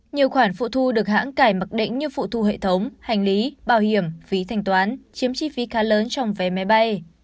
nhiều khoản phụ thu được hãng cải mặc định như phụ thu hệ thống hành lý bảo hiểm phí thanh toán chiếm chi phí khá lớn trong vé máy bay